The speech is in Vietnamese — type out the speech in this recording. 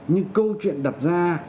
nhưng câu chuyện đặt ra